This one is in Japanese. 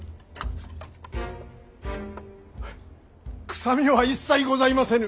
臭みは一切ございませぬ。